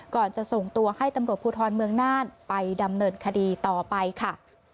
ก่อนจะส่งตัวให้ตำรวจภูทรเมืองน่านไปดำเนินคดีต่อไปค่ะ